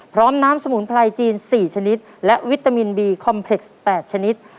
พร้อมน้ำสมุนไพรจีน๔ชนิดและวิตามินบีคอมเพล็กซ์๘ชนิด